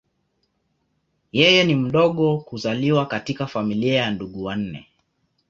Yeye ni mdogo kuzaliwa katika familia ya ndugu wanne.